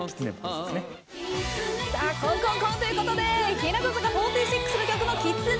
日向坂４６の曲も「キツネ」。